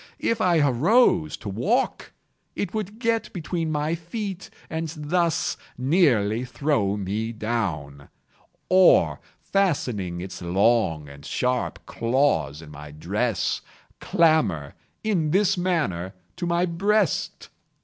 If I arose to walk it would get between my feet and thus nearly throw me down, or, fastening its long and sharp claws in my dress, clamber, in this manner, to my breast.